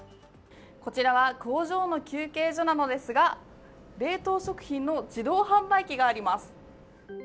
こちらは工場の休憩所なのですが、冷凍食品の自動販売機があります。